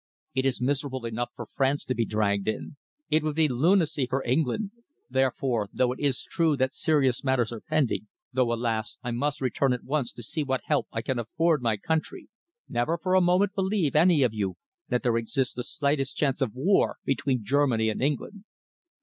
It is miserable enough for France to be dragged in. It would be lunacy for England. Therefore, though it is true that serious matters are pending, though, alas! I must return at once to see what help I can afford my country, never for a moment believe, any of you, that there exists the slightest chance of war between Germany and England."